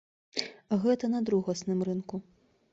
Гэта на другасным рынку.